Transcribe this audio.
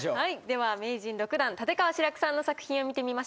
では名人６段立川志らくさんの作品を見てみましょう。